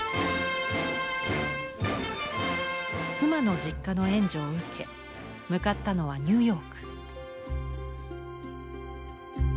妻の実家の援助を受け向かったのはニューヨーク。